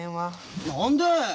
何で。